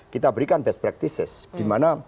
kita berikan best practices di mana